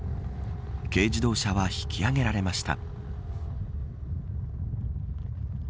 軽自動車は引き上げられました。